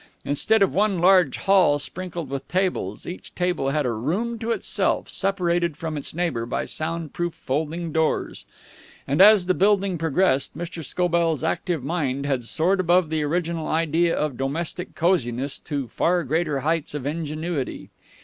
Instead of one large hall sprinkled with tables, each table had a room to itself, separated from its neighbor by sound proof folding doors. And as the building progressed, Mr. Scobell's active mind had soared above the original idea of domestic coziness to far greater heights of ingenuity.